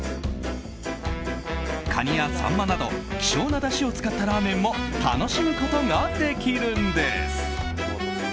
カニやサンマなど希少なだしを使ったラーメンも楽しむことができるんです。